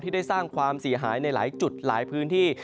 ได้สร้างความเสียหายในหลายจุดหลายพื้นที่